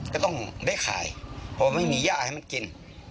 ก็ต้องได้ขายเพราะว่าไม่มีย่าให้มันกิน